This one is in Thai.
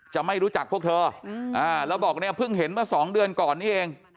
จะไม่รู้จักพวกเธอแล้วบอกเนี่ยเพิ่งเห็นเมื่อสองเดือนก่อนนี้เอง